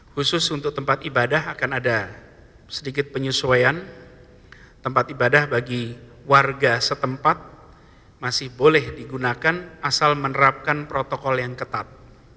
khusus untuk tempat ibadah akan ada sedikit penyesuaian tempat ibadah bagi warga setempat masih boleh digunakan asal menerapkan protokol yang ketat